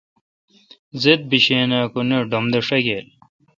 زیدہ بیشین اں کہ نہ ڈم داݭاگیل۔